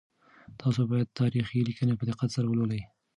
تاسو باید تاریخي لیکنې په دقت سره ولولئ.